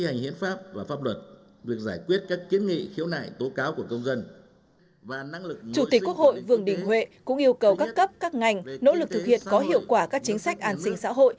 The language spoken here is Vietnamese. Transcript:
chủ tịch quốc hội vương đình huệ cũng yêu cầu các cấp các ngành nỗ lực thực hiện có hiệu quả các chính sách an sinh xã hội